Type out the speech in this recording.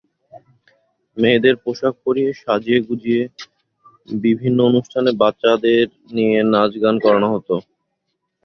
মেয়েদের পোশাক পরিয়ে সাজিয়ে-গুজিয়ে বিভিন্ন অনুষ্ঠানে বাচাদের দিয়ে নাচগান করানো হতো।